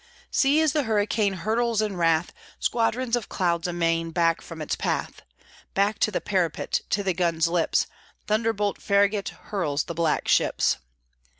See, as the hurricane Hurtles in wrath Squadrons of clouds amain Back from its path! Back to the parapet, To the guns' lips, Thunderbolt Farragut Hurls the black ships.